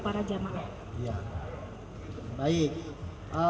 para jamaah baik baik